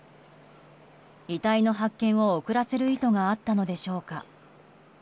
遺体の発見を遅らせる意図があったのでしょうか。